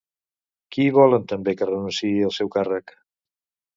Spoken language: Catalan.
Qui volen també que renunciï al seu càrrec?